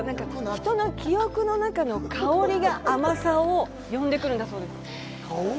人の記憶の中の香りが甘さを呼んでくるんだそうです。